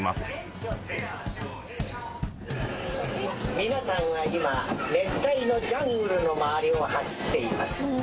皆さんは今熱帯のジャングルの周りを走っています。